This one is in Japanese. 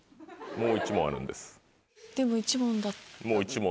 もう１問。